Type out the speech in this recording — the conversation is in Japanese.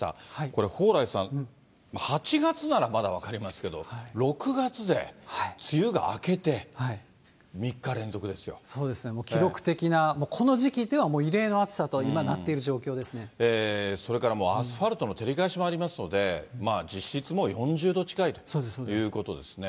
これ、蓬莱さん、８月ならまだ分かりますけど、６月で、梅雨が明けて、そうですね、記録的な、この時期ではもう異例の暑さと今、それからもう、アスファルトの照り返しもありますので、実質、もう４０度近いということですね。